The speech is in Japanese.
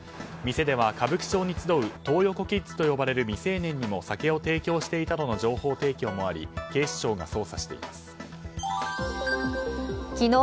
店では歌舞伎町に集うトー横キッズと呼ばれる未成年にも酒を提供していたとの情報提供もあり警視庁が捜査しています。